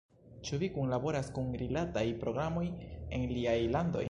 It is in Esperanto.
Ĉu vi kunlaboras kun rilataj programoj en aliaj landoj?